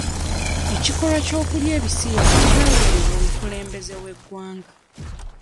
Ekikolwa ky'okulya ebisiyaga kyawerebwa omukulembeze w'eggwanga.